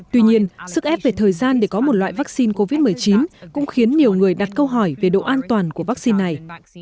tuy nhiên sức ép về thời gian để có một loại vaccine covid một mươi chín cũng khiến nhiều người đặt câu hỏi về độ an toàn của vaccine này